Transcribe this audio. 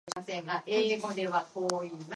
In these states the penalties can be severe.